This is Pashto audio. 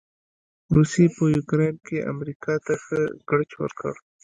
روسې په يوکراين کې امریکا ته ښه ګړچ ورکړ.